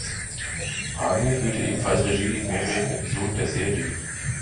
Prange führte ebenfalls Regie in mehreren Episoden der Serie.